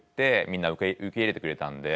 みんな受け入れてくれたんで。